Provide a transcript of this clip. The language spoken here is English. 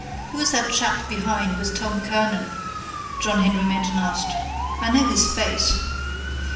—Who is that chap behind with Tom Kernan? John Henry Menton asked. I know his face.